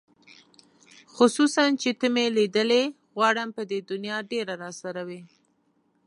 خصوصاً چې ته مې لیدلې غواړم په دې دنیا ډېره راسره وې